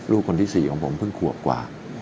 ลูกคนที่๔ของผมเพิ่งขวบกว่า